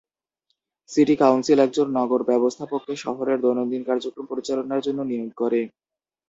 City council একজন নগর ব্যবস্থাপককে শহরের দৈনন্দিন কাজকর্ম পরিচালনার জন্য নিয়োগ করে।